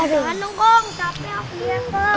jangan nunggong capek aku lihat